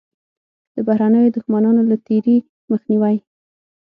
د بهرنیو دښمنانو له تېري مخنیوی.